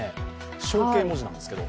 象形文字なんですけど。